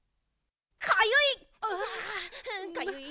かゆい！